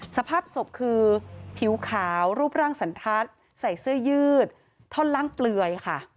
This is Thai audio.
สภาพศพคือผิวขาวรูปร่างสันทัศน์ใส่เสื้อยืดท่อนล่างเปลือยค่ะ